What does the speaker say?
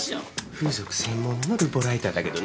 風俗専門のルポライターだけどね。